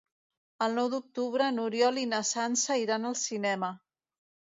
El nou d'octubre n'Oriol i na Sança iran al cinema.